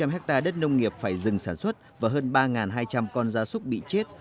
chín sáu trăm linh hectare đất nông nghiệp phải dừng sản xuất và hơn ba hai trăm linh con da súc bị chết